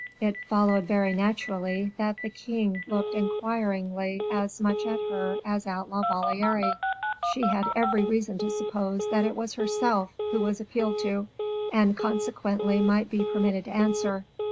It followed very naturally that the king looked inquiringly as much at her as at La Valliere; she had every reason to suppose that it was herself who was appealed to, and consequently might be permitted to answer.